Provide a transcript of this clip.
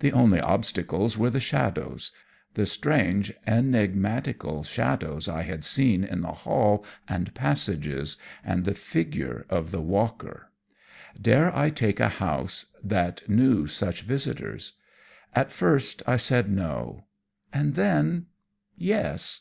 The only obstacles were the shadows the strange, enigmatical shadows I had seen in the hall and passages, and the figure of the walker. Dare I take a house that knew such visitors? At first I said no, and then yes.